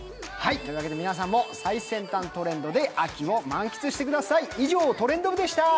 皆さんも最先端トレンドで秋を満喫してください。